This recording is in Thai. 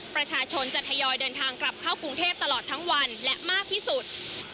ประชาชนจะทยอยเดินทางกลับเข้ากรุงเทพตลอดทั้งวันและมากที่สุด